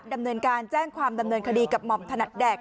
ดำเนินการแจ้งความดำเนินคดีกับหม่อมถนัดแดก